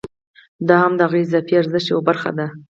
دا هم د هغه اضافي ارزښت یوه برخه ده